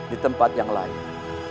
di tempat yang lain